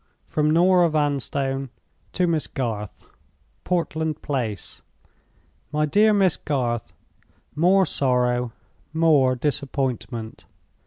From Norah Vanstone to Miss Garth. "Portland Place. "MY DEAR MISS GARTH, "More sorrow, more disappointment!